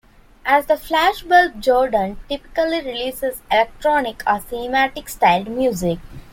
As The Flashbulb, Jordan typically releases electronic or cinematic styled music.